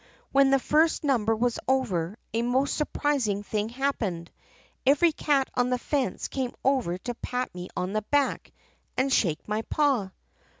When the first number was over, a most surprising thing happened. Every cat on the fence came over to pat me on the back and shake my paw.